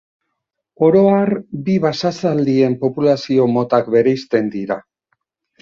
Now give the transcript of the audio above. Oro har bi basazaldien populazio motak bereizten dira.